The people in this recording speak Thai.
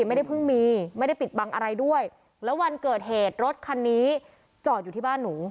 ไม่ได้เพิ่งมีไม่ได้ปิดบังอะไรด้วยแล้ววันเกิดเหตุรถคันนี้จอดอยู่ที่บ้านหนู